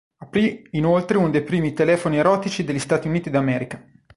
Aprì inoltre uno dei primi telefoni erotici degli Stati Uniti d'America.